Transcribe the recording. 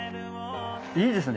いいですね。